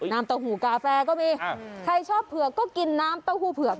เต้าหู้กาแฟก็มีใครชอบเผือกก็กินน้ำเต้าหู้เผือก